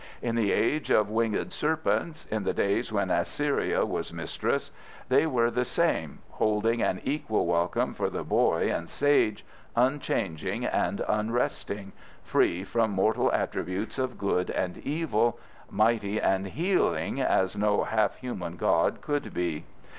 In the age of winged serpents, in the days when Assyria was mistress, they were the same, holding an equal welcome for the boy and sage, unchanging and unresting, free from mortal attributes of good and evil, mighty and healing as no half human god could be.